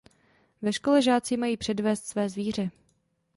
Ve škole žáci mají předvést své zvíře.